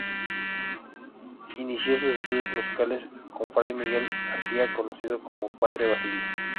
Inició sus estudios musicales con Fray Miguel García, conocido como "Padre Basilio".